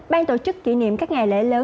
ban tổ chức kỷ niệm các ngày lễ lễ